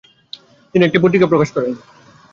তিনি একটি পত্রিকা প্রকাশ করেন।